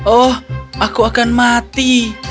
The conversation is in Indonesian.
oh aku akan mati